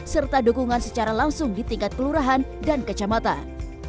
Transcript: serta dukungan secara langsung di tingkat kelurahan dan kecamatan